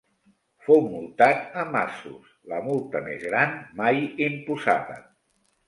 Fou multat amb asos, la multa més gran mai imposada.